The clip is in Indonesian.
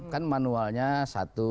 kan manualnya satu